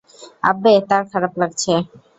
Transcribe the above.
আব্বে, তার খারাপ লাগছে!